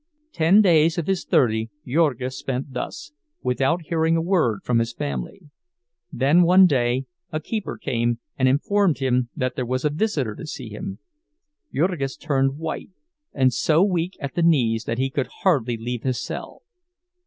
Ten days of his thirty Jurgis spent thus, without hearing a word from his family; then one day a keeper came and informed him that there was a visitor to see him. Jurgis turned white, and so weak at the knees that he could hardly leave his cell.